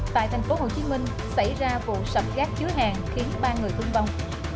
tại thành phố hồ chí minh xảy ra vụ sập gác chứa hàng khiến ba người thương vong